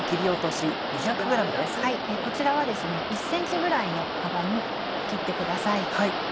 こちらは１ｃｍぐらいの幅に切ってください。